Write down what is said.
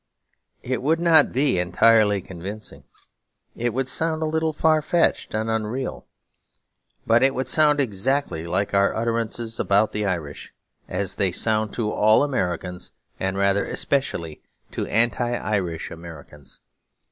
It would not be entirely convincing. It would sound a little far fetched and unreal. But it would sound exactly like our utterances about the Irish, as they sound to all Americans, and rather especially to Anti Irish Americans.